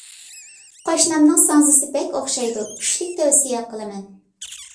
قوشنامنىڭ ساڭزىسى بەك ئوخشايدۇ، كۈچلۈك تەۋسىيە قىلىمەن.